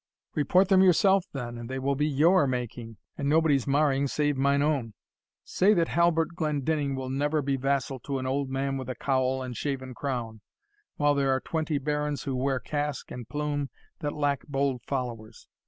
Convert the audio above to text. "Report them yourself, then, and they will be your making, and nobody's marring save mine own. Say that Halbert Glendinning will never be vassal to an old man with a cowl and shaven crown, while there are twenty barons who wear casque and plume that lack bold followers.